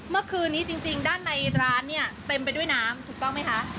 เมื่อคืนนี้จริงด้านในร้านเนี่ยเต็มไปด้วยน้ำถูกต้องไหมคะ